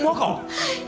はい！